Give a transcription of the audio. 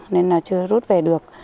nên là chưa rút về được